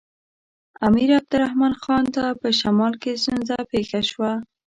امیر عبدالرحمن خان ته په شمال کې ستونزه پېښه شوه.